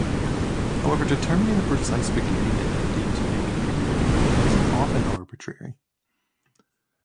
However, determining the precise beginning and ending to any "period" is often arbitrary.